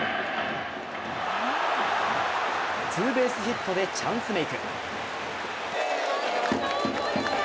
ツーベースヒットでチャンスメーク。